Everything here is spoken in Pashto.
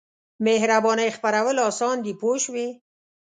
مهربانۍ خپرول اسان دي پوه شوې!.